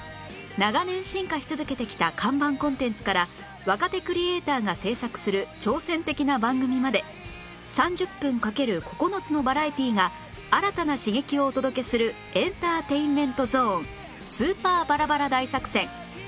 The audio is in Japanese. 長年進化し続けてきた看板コンテンツから若手クリエーターが制作する挑戦的な番組まで３０分掛ける９つのバラエティーが新たな刺激をお届けするエンターテインメントゾーンスーパーバラバラ大作戦